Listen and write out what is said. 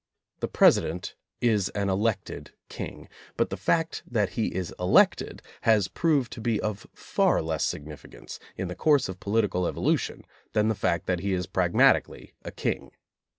The President is an elected king, but the fact that he is elected has proved to be of far less sig nificance in the course of political evolution than the fact that he is pragmatically a king.